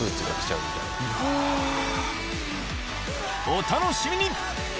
お楽しみに！